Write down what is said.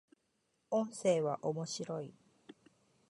音声は、面白い